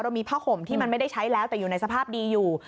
มีผ้าห่มที่มันไม่ได้ใช้แล้วแต่อยู่ในสภาพดีอยู่